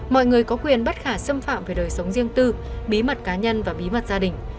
mọi người có quyền bất khả xâm phạm về đời sống riêng tư bí mật cá nhân và bí mật gia đình